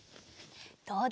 どうだ？